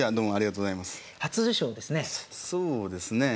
そうですねえ。